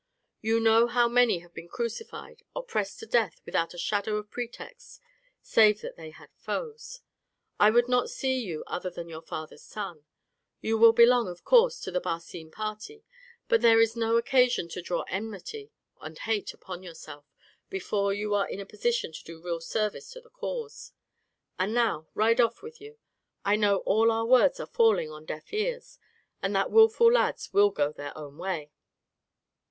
You know how many have been crucified or pressed to death without a shadow of pretext, save that they had foes. I would not see you other than your father's son; you will belong, of course, to the Barcine party, but there is no occasion to draw enmity and hate upon yourself before you are in a position to do real service to the cause. And now ride off with you; I know all our words are falling on deaf ears, and that willful lads will go their own way."